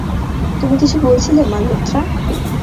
তুমি কিছু বলছিলে, মালহোত্রা?